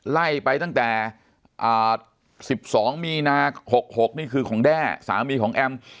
ไล่ไปตั้งแต่๑๒มีนา๖๖นี่คือของแด้สามีของแอม